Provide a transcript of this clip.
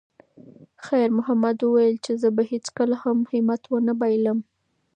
خیر محمد وویل چې زه به هیڅکله هم همت ونه بایللم.